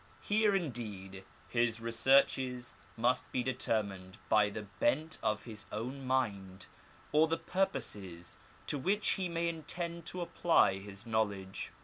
Here, indeed, his researches must be determined by the bent of his own mind, or the purposes to which he may intend to apply his knowledge.